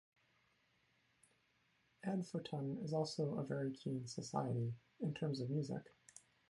Adforton is also a very keen society in terms of music.